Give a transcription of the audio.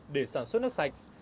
để sản xuất nước sạch